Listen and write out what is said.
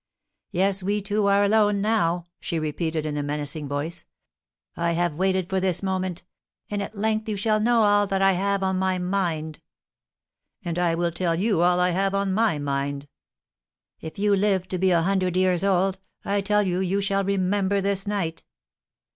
"Yes, we two are alone now!" she repeated, in a menacing voice. "I have waited for this moment; and at length you shall know all that I have on my mind." "And I will tell you all I have on my mind." "If you live to be a hundred years old, I tell you you shall remember this night."